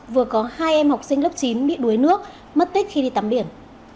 vừa có hai em học sinh lớp chín bị đuối nước mất tích khi đi tắm biển